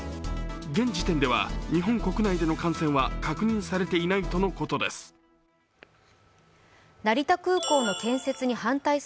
現時点では、日本国内での感染は確認されていないということです。